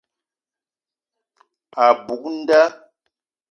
A buk nda.